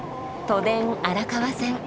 都電荒川線。